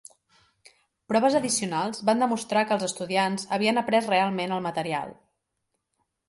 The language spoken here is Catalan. Proves addicionals van demostrar que els estudiants havien après realment el material.